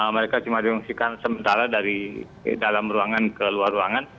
mereka cuma diungsikan sementara dari dalam ruangan ke luar ruangan